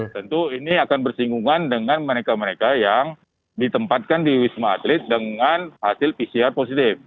tentu ini akan bersinggungan dengan mereka mereka yang ditempatkan di wisma atlet dengan hasil pcr positif